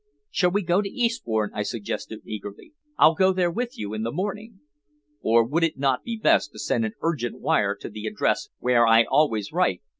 "Shall we go to Eastbourne?" I suggested eagerly. "I'll go there with you in the morning." "Or would it not be best to send an urgent wire to the address where I always write?